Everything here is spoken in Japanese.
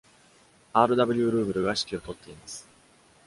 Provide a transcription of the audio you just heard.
R. W. ルーブルが指揮を執っています。